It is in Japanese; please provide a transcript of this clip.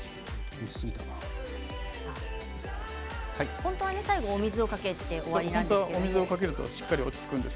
本当は最後お水をかけて終わりなんです。